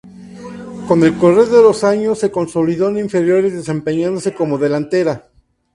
Con el correr de los años, se consolidó en inferiores desempeñándose como delantera.